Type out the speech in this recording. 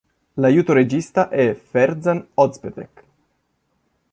L'aiuto regista è Ferzan Özpetek.